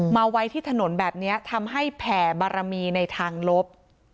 มาไว้ที่ถนนแบบนี้ทำให้แผ่บารมีในทางลบ